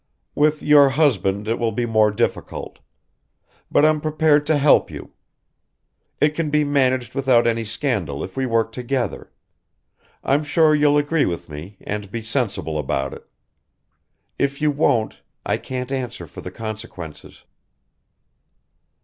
With your husband it will be more difficult. But I'm prepared to help you. It can be managed without any scandal if we work together... I'm sure you'll agree with me and be sensible about it. If you won't, I can't answer for the consequences."